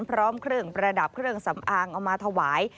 พร้อมเครื่องประดับเครื่องสำอางเอามาถวาย